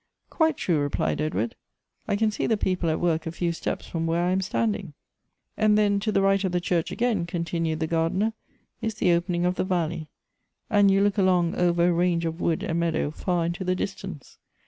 " Quite true," replied Edward ;" I can see the people at work a few steps from where I am standing." 2 Goethe's " And then, to the right of the church again," continued the gardener, "is the opening of the valley; and you look along over a ransre of wood and meadow fai into the dis tance.